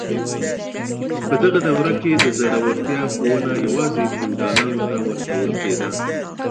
په دغه دوره کي د زړورتيا ښوونه يوازې فيوډالانو ته ورکول کيده.